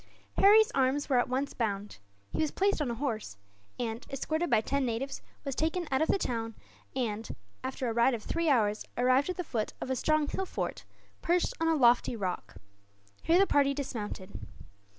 Harry's arms were at once bound. He was placed on a horse and, escorted by ten natives, was taken out of the town and, after a ride of three hours, arrived at the foot of a strong hill fort, perched on a lofty rock. Here the party dismounted.